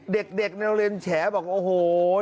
เด็กในโรงเรียนแฉบอกโอ้โห